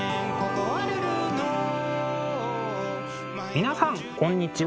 皆さんこんにちは。